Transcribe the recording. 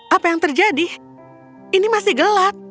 apa yang terjadi ini masih gelap